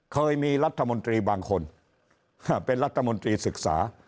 เคยมีรัฐมนตรีบางคนเป็นรัฐมนตรีศึกษา